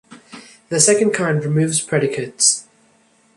The second kind removes predicates.